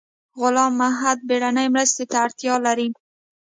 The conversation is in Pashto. غلام محد بیړنۍ مرستې ته اړتیا لري